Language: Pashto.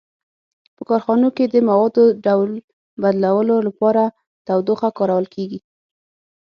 په کارخانو کې د موادو ډول بدلولو لپاره تودوخه کارول کیږي.